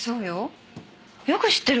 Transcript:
よく知ってるわね。